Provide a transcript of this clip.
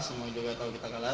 semua juga kalau kita kalah